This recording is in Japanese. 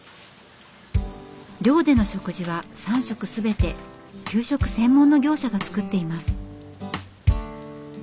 寮での食事は３食全て給食専門の業者が作っています。